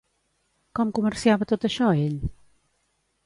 Com comerciava tot això ell?